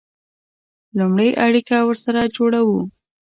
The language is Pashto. لومړی اړیکه ورسره جوړوو.